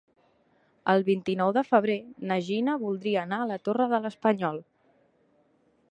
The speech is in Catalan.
El vint-i-nou de febrer na Gina voldria anar a la Torre de l'Espanyol.